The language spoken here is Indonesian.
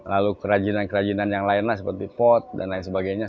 lalu kerajinan kerajinan yang lain lah seperti pot dan lain sebagainya